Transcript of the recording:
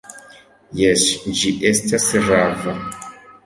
Jes, ĝi estas rava!